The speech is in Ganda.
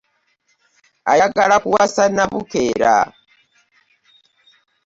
Ayagala kuwasa Nnabukeera.